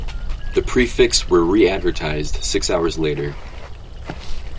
The prefix were re-advertised six hours later.